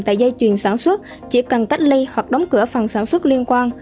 tại dây chuyền sản xuất chỉ cần cách ly hoặc đóng cửa phần sản xuất liên quan